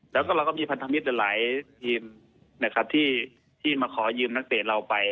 แล้วก็เราก็มีพันธมิตรหลายทีมนะครับที่มาขอยืมนักเตะเราไป